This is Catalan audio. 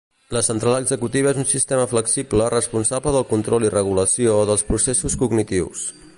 La central executiva és un sistema flexible responsable del control i regulació dels processos cognitius.